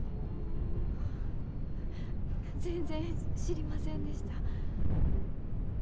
あ全然知りませんでした。